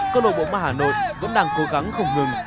cơ lội bộ mà hà nội vẫn đang cố gắng không ngừng